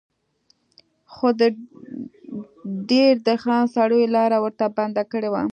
خو د دیر د خان سړیو لاره ورته بنده کړې وه.